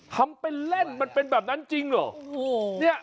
ทำเป็นเล่นมันเป็นแบบนั้นจริงเหรอ